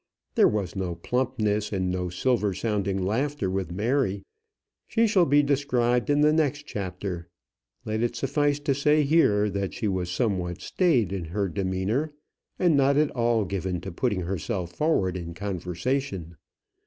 There was no plumpness, and no silver sounding laughter with Mary. She shall be described in the next chapter. Let it suffice to say here that she was somewhat staid in her demeanour, and not at all given to putting herself forward in conversation.